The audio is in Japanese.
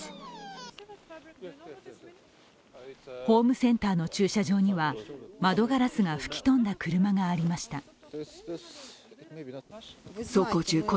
ホームセンターの駐車場には窓ガラスが吹き飛んだ車がありました。